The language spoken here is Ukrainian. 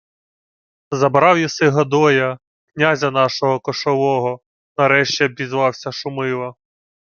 — Забрав єси Годоя, князя нашого кошового, — нарешті обізвався Шумило.